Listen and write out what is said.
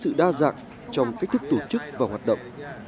chính phủ đã tạo ra ba dạng trong cách thức tổ chức và hoạt động